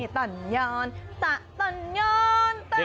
ตอนยอนตะตอนยอนตะตอนยอน